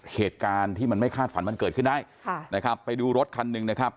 เหตุการณ์ที่มันไม่คาดฝันมันเกิดขึ้นได้ค่ะนะครับไปดูรถคันหนึ่งนะครับ